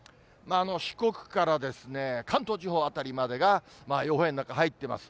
四国から関東地方辺りまでが予報円の中に入っています。